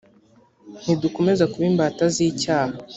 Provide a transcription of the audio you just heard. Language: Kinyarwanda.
ntidukomeze kuba imbata z’icyaha